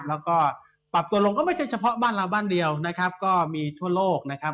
แล้วก็ปรับตัวลงก็ไม่ใช่เฉพาะบ้านเราบ้านเดียวนะครับก็มีทั่วโลกนะครับ